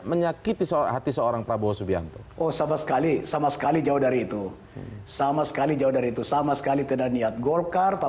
sekali sama sekali jauh dari itu sama sekali jauh dari itu sama sekali tidak niat golkar pak